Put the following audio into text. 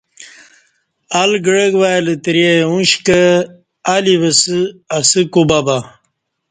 ال گعک وای لتری اوش کہ الی وسہ اسہ کوبہ نہ